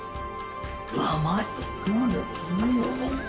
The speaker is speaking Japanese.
甘い！